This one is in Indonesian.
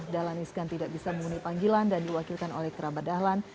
dahlan iskan tidak bisa memenuhi panggilan dan diwakilkan oleh kerabat dahlan